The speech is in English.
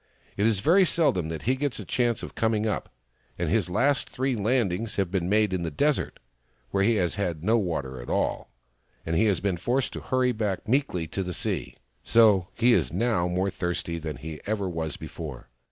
" It is very seldom that he gets a chance of coming up ; and his last three landings have been made in the desert, where he has had no water at all, and has been forced to hurry back meekly to the sea. So he is now more thirsty than he ever was before.